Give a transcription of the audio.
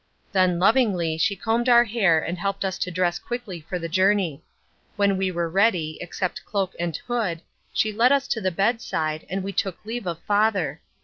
Then, lovingly, she combed our hair and helped us to dress quickly for the journey. When we were ready, except cloak and hood, she led us to the bedside, and we took leave of father.